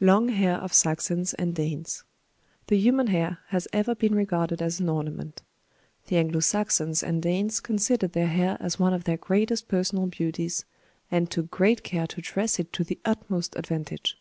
LONG HAIR OF SAXONS AND DANES. The human hair has ever been regarded as an ornament. The Anglo Saxons and Danes considered their hair as one of their greatest personal beauties, and took great care to dress it to the utmost advantage.